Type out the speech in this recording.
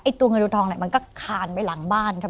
ไอ้ตัวเงินดูดทองเนี่ยมันก็คานไปหลังบ้านค่ะ